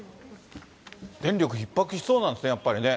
電力ひっ迫しそうなんですね、やっぱりね。